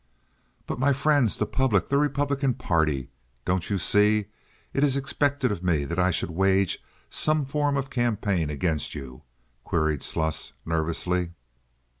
"But my friends? The public? The Republican party? Don't you see it is expected of me that I should wage some form of campaign against you?" queried Sluss, nervously.